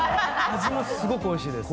味もすごくおいしいです。